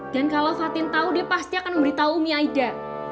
dan kalau fatin tau dia pasti akan memberitahu umi aida